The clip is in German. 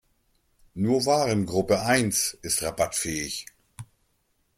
Nur Warengruppe eins ist rabattfähig.